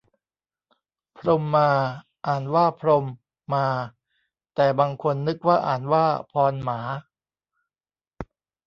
พรหมา อ่านว่าพรม มา แต่บางคนนึกว่าอ่านว่าพอน หมา